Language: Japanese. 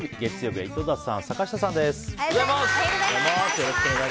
月曜日は井戸田さん、坂下さんです。